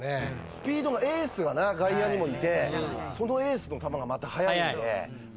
スピードのエースが外野にもいてそのエースの球がまた速いんで。